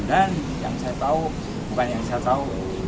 dan yang saya tahu bukan yang saya tahu